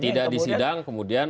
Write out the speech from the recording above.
tidak disidang kemudian